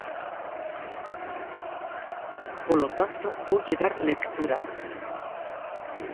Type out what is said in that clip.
Polo tanto, voulle dar lectura.